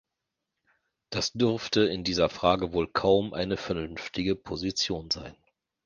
Das dürfte in dieser Frage wohl kaum eine vernünftige Position sein.